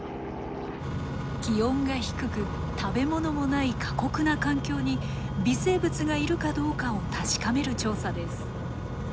気温が低く食べ物もない過酷な環境に微生物がいるかどうかを確かめる調査です。